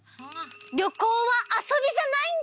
りょこうはあそびじゃないんだよ！